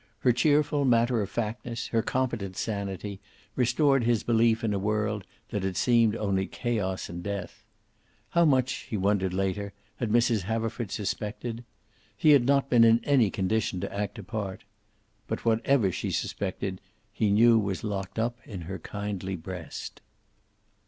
Her cheerful matter of factness her competent sanity, restored his belief in a world that had seemed only chaos and death. How much, he wondered later, had Mrs. Haverford suspected? He had not been in any condition to act a part. But whatever she suspected he knew was locked in her kindly breast.